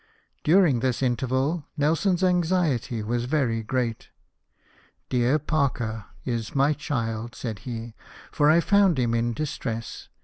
During this interval Nelson's anxiety was very great. " Dear Parker is my child," said he ;" for I found him in distress."